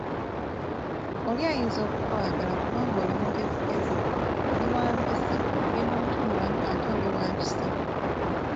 Oli ayinza okukwagala kubanga oli mugezigezi, oli wa mpisa, oli muntumulamu ate oli wa kisa.